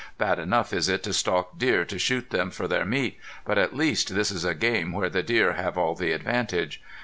Bad enough is it to stalk deer to shoot them for their meat, but at least this is a game where the deer have all the advantage.